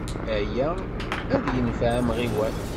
Aya ad yenfeɛ amɣiwan.